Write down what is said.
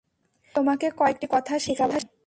আমি তোমাকে কয়েকটি কথা শেখাব।